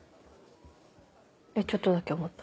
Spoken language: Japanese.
ちょっとだけ思った。